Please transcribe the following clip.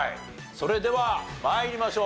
それでは参りましょう。